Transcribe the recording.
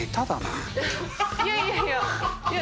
いやいやいや。